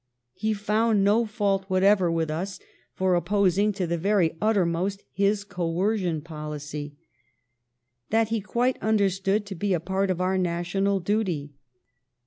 He found no fault whatever with us for opposing to the very uttermost his coercion policy. That he quite understood to be a part of our national duty.